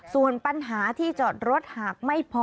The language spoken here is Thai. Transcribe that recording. ส่วนปัญหาที่จอดรถหากไม่พอ